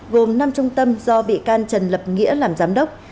gồm năm trung tâm do bị can trần lập nghĩa làm giám đốc